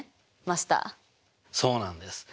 そうなんです。